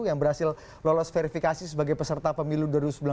yang berhasil lolos verifikasi sebagai peserta pemilu dua ribu sembilan belas